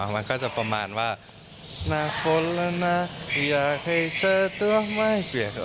มันก็จะประมาณว่าหน้าคนแล้วนะอยากให้เจอตัวไม่เปลี่ยน